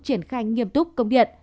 triển khai nghiêm túc công điện